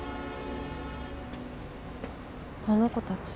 あの子たち。